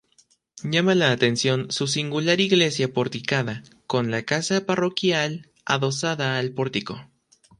Llama la atención su singular iglesia porticada, con la casa parroquial adosada al pórtico.